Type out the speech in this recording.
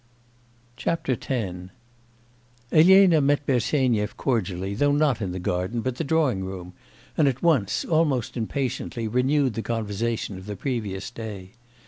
X Elena met Bersenyev cordially, though not in the garden, but the drawing room, and at once, almost impatiently, renewed the conversation of the previous day.